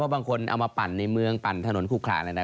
บางคนเอามาปั่นในเมืองปั่นถนนคุกคลานอะไรนะ